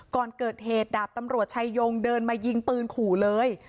ก่อนเกิดเหตุดาบตำรวจชายงเดินมายิงปืนขู่เลย